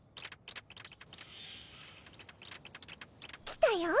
来たよ。